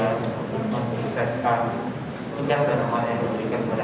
untuk memperkesatkan kejadian yang akan berikutnya